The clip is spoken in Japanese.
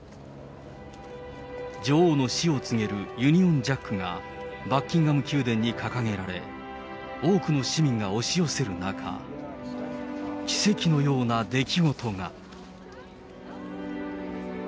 女王の死を告げるユニオンジャックがバッキンガム宮殿に掲げられ、多くの市民が押し寄せる中、奇跡のような出来事が。